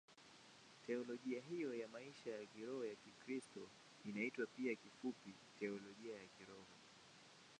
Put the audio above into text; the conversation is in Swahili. Teolojia hiyo ya maisha ya kiroho ya Kikristo inaitwa pia kifupi Teolojia ya Kiroho.